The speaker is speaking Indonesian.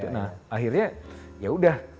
nah akhirnya ya udah